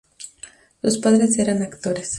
Sus padres eran actores.